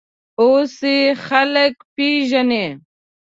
اوس یې خلک پېژني.